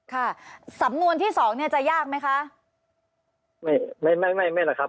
ค่ะสำนวนที่สองเนี้ยจะยากไหมคะไม่ไม่ไม่ไม่ไม่แหละครับ